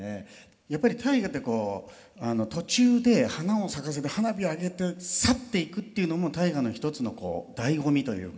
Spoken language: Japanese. やっぱり「大河」ってこう途中で花を咲かせて花火揚げて去っていくっていうのも「大河」の一つのだいご味というか。